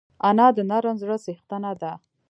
انا د نرم زړه څښتنه ده